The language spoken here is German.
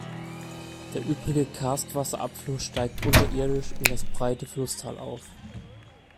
Der übrige Karstwasser-Abfluss steigt unterirdisch in das breite Flusstal auf.